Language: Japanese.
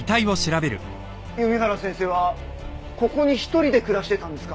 弓原先生はここに一人で暮らしてたんですか？